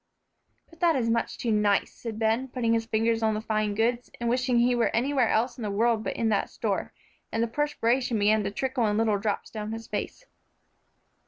"But that is much too nice," said Ben, putting his finger on the fine goods, and wishing he were anywhere else in the world but in that store, and the perspiration began to trickle in little drops down his face.